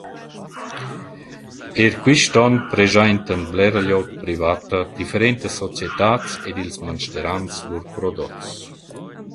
Eir quist on preschaintan blera glieud privata, differentas societats ed ils mansterans lur prodots.